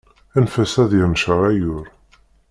Anef-as ad yenced ayyur.